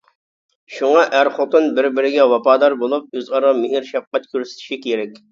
شۇڭا ئەر-خوتۇن بىر-بىرىگە ۋاپادار بولۇپ، ئۆزئارا مېھىر-شەپقەت كۆرسىتىشى كېرەك.